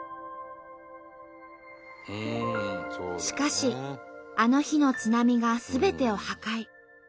しかしあの日の津波がすべてを破壊。